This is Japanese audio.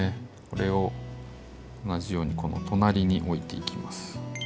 これを同じようにこの隣に置いていきます。